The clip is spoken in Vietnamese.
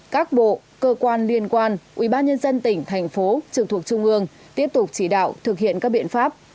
các bộ cơ quan liên quan ubnd tỉnh thành phố trực thuộc trung ương tiếp tục chỉ đạo thực hiện các biện pháp